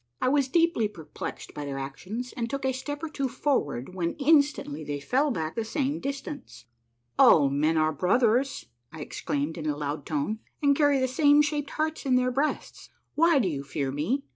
I was deeply perplexed by their actions, and took a step or two for ward when instantly they fell back the same distance. " All men are brothers," I exclaimed in a loud tone, " and carry the same shaped hearts in their breasts. Why do you fear me?